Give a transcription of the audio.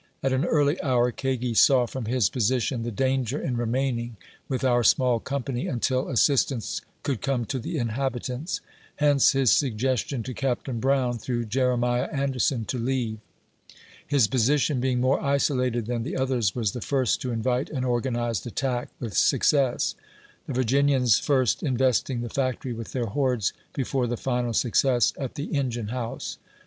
At an early hour, Kagi saw from his po sition the danger in remaining, with our small company, until assistance could come to the inhabitant! Hence his sugges tion to Captain Brown, through Jeremiah Anderson, to leave. His position being more isolated than the others, was the first to invite an organized attack with success ; the Virginians first investing the factory with their hordes, before the final success at the engine house.